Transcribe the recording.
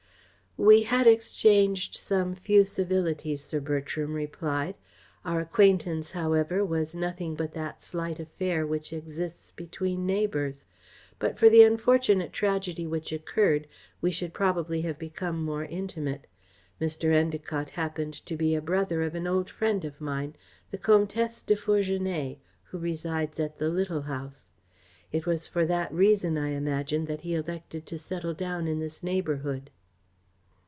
"We had exchanged some few civilities," Sir Bertram replied. "Our acquaintance, however, was nothing but that slight affair which exists between neighbours. But for the unfortunate tragedy which occurred we should probably have become more intimate. Mr. Endacott happened to be a brother of an old friend of mine the Comtesse de Fourgenet, who resides at the Little House. It was for that reason, I imagine, that he elected to settle down in this neighbourhood."